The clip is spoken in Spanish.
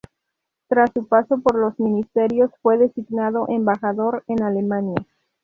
Tras su paso por los ministerios fue designado embajador en Alemania.